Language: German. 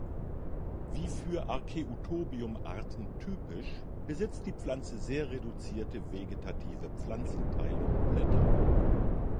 Wie für "Arceuthobium"-Arten typisch besitzt die Pflanze sehr reduzierte vegetative Pflanzenteile und Blätter.